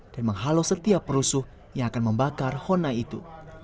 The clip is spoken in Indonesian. dan menghalau setiap rusuh yang akan membakar honai itu